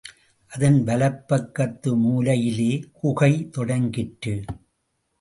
அதன் வலப்பக்கத்து மூலையிலே குகை தொடங்கிற்று.